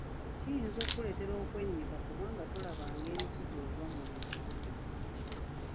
Kiyinza okukuleetera okwennyika kubanga tolaba ngeri ki gy'ova mu bizibu byo.